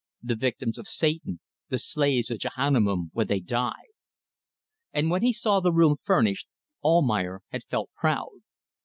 the victims of Satan, the slaves of Jehannum when they die. And when he saw the room furnished, Almayer had felt proud.